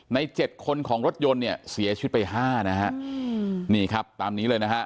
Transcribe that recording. ในเจ็ดคนของรถยนต์เนี่ยเสียชีวิตไปห้านะฮะนี่ครับตามนี้เลยนะฮะ